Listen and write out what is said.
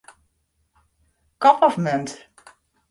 Kop of munt.